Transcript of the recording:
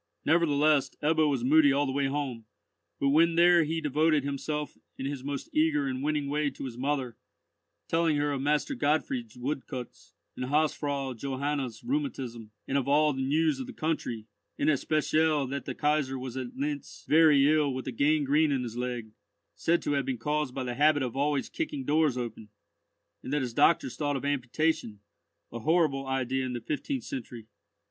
Nevertheless Ebbo was moody all the way home, but when there he devoted himself in his most eager and winning way to his mother, telling her of Master Gottfried's woodcuts, and Hausfrau Johanna's rheumatism, and of all the news of the country, in especial that the Kaisar was at Lintz, very ill with a gangrene in his leg, said to have been caused by his habit of always kicking doors open, and that his doctors thought of amputation, a horrible idea in the fifteenth century.